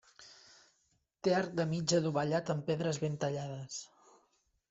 Té arc de mig adovellat amb pedres ben tallades.